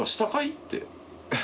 って